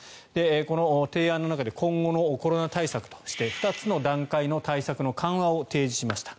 この提案の中で今後のコロナ対策として２つの段階の対策の緩和を提示しました。